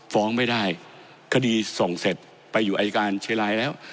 ฟ้องไม่ได้คดีส่งเสร็จไปอยู่อายการเชียงรายแล้ว